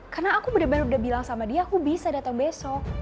karena aku udah bilang sama dia aku bisa dateng besok